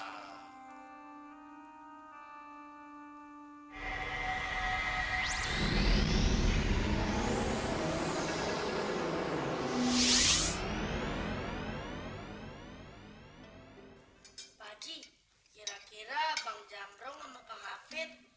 pak haji kira kira bang jamrong sama pak mafid